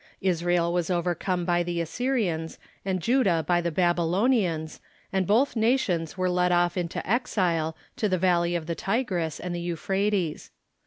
Israel Avas overcome by the Assyrians, and Judah by the Babylonians, and both nations Avere led off into exile to the valley of the Tigris and the Eu phrates.